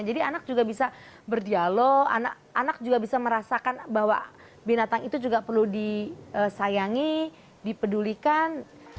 jadi anak juga bisa berdialog anak juga bisa merasakan bahwa binatang itu juga perlu disayangi dipedulikan